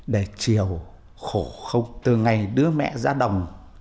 để chiều khổ không từ ngày đưa mẹ ra đồng